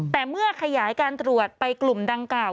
แต่เมื่อขยายการตรวจไปกลุ่มดังกล่าว